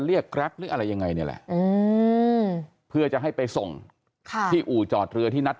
แกรปหรืออะไรยังไงนี่แหละเพื่อจะให้ไปส่งที่อู่จอดเรือที่นัด